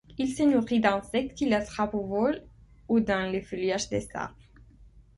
Il se nourit d'insectes qu'il attrape au vol ou dans le feuillage des arbres.